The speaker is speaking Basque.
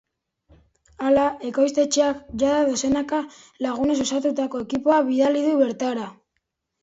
Hala, ekoiztetxeak jada dozenaka lagunez osatutako ekipoa bidali du bertara.